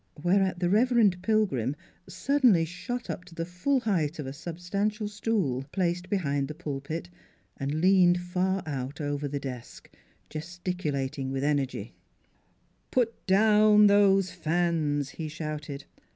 Whereat the Rev. Pilgrim suddenly shot up to the full height of a substantial stool, placed be hind the pulpit, and leaned far out over the desk, gesticulating with energy: "Put down those fans!" he shouted.